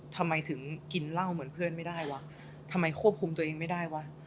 ทำไมถึงกินเหล้าเหมือนเพื่อนไม่ได้วะทำไมควบคุมตัวเองไม่ได้วะ